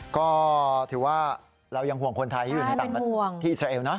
ก็ถือว่าเรายังห่วงคนไทยที่อยู่ที่อิสราเอลนะ